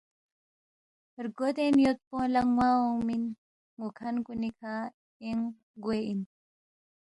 رگودین یود پونگ لا نوا اونگمن نوکھن کونی کھہ انگ گو ے ان